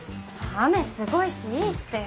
雨すごいしいいって。